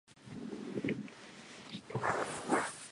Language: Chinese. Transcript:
第二年该短篇由新潮社出版。